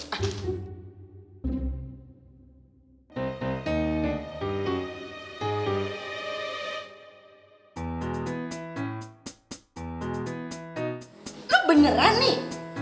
lu beneran nih